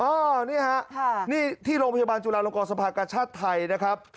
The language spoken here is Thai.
พี่หนึ่งครับนี่ที่โรงพยาบาลจุลาลงกอสัมผัสกับชาติไทย